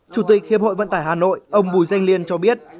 chủ tịch hiệp hội vận tải hà nội ông bùi danh liên cho biết